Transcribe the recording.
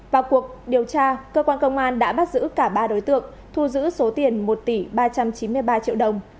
vào cuộc điều tra cơ quan công an đã bắt giữ cả ba đối tượng thu giữ số tiền một tỷ ba trăm chín mươi ba triệu đồng